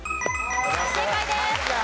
正解です。